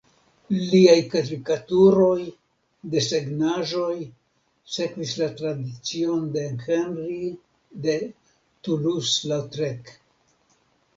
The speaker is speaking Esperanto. Liaj karikaturoj, desegnaĵoj sekvis la tradicion de Henri de Toulouse-Lautrec.